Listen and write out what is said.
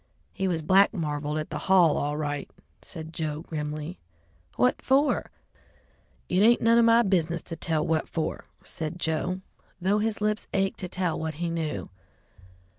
"He was black marveled at the hall all right," said Joe grimly. "What for?" "It ain't none of my business to tell what for," said Joe, though his lips ached to tell what he knew.